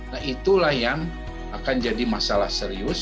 nah itulah yang akan jadi masalah serius